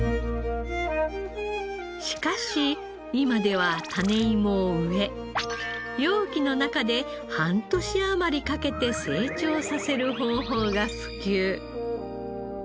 しかし今では種芋を植え容器の中で半年余りかけて成長させる方法が普及。